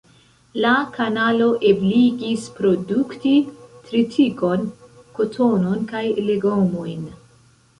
La kanalo ebligis produkti tritikon, kotonon kaj legomojn.